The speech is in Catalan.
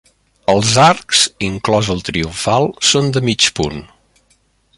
Els arcs, inclòs el triomfal són de mig punt.